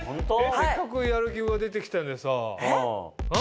せっかくやる気が出て来たのにさ。